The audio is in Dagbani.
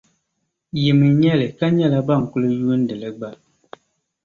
Yi mi nya li, ka nyɛla ban kuli yuundili gba.